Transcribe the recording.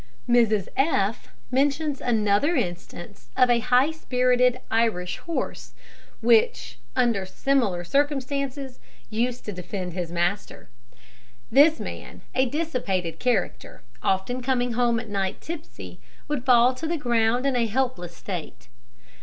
Mrs F mentions another instance of a high spirited Irish horse, which, under similar circumstances, used to defend his master. This man, a dissipated character, often coming home at night tipsy, would fall to the ground in a helpless state.